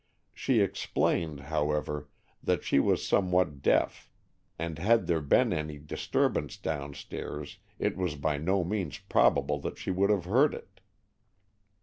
She explained, however, that she was somewhat deaf, and had there been any disturbance downstairs it was by no means probable that she would have heard it.